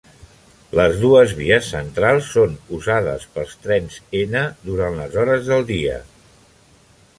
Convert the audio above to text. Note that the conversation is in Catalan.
Les dues vies centrals són usades pels trens N durant les hores del dia.